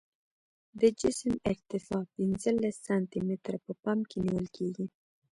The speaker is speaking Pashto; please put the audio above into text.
د جسم ارتفاع پنځلس سانتي متره په پام کې نیول کیږي